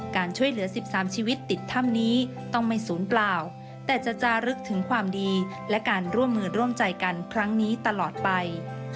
การช่วยเหลือ๑๓ชีวิตติดถ้ำนี้ต้องไม่ศูนย์เปล่าแต่จะจารึกถึงความดีและการร่วมมือร่วมใจกันครั้งนี้ตลอดไป